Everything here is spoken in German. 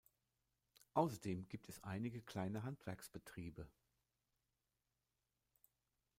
Außerdem gibt es einige kleine Handwerksbetriebe.